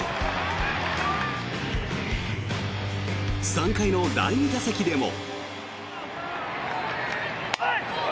３回の第２打席でも。